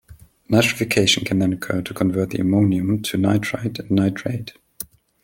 Nitrification can then occur to convert the ammonium to nitrite and nitrate.